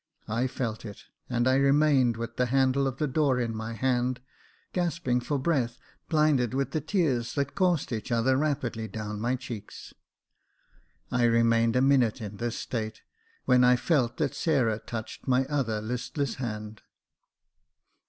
I felt it, and I remained with the handle of the door in my hand, gasping for breath — blinded with the tears that coursed Jacob Faithful 163 each other rapidly down my cheeks. I remained a minute in this state, when I felt that Sarah touched my other list less hand.